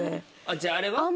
じゃああれは？